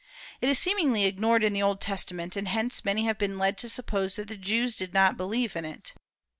It is seemingly ignored in the Old Testament, and hence many have been led to suppose that the Jews did not believe in it.